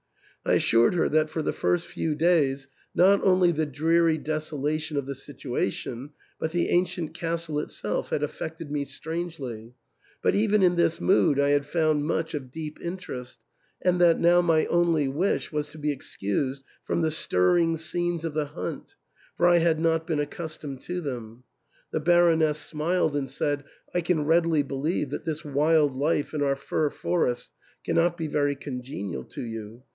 I assured her that for the first few days, not only the dreary desolation of the situation, but the ancient castle itself had affected me strangely, but even in this mood I had found much of deep in terest, and that now my only wish was to be excused from the stirring scenes of the hunt, for I had not been accustomed to them. . The Baroness smiled and said, " I can readily believe that this wild life in our fir for ests cannot be very congenial to you.